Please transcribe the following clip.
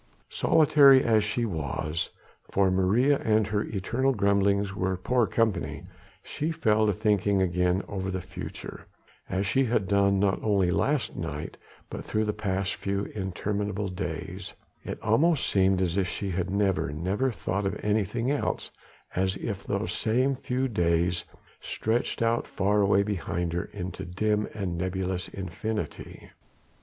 Solitary as she was for Maria and her eternal grumblings were poor company she fell to thinking again over the future, as she had done not only last night but through the past few interminable days; it almost seemed as if she had never, never thought of anything else, as if those same few days stretched out far away behind her into dim and nebulous infinity.